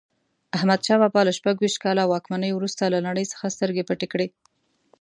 احمدشاه بابا له شپږویشت کاله واکمنۍ وروسته له نړۍ څخه سترګې پټې کړې.